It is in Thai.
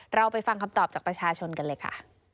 เราไปฟังคำตอบจากประชาชนกันเลยค่ะ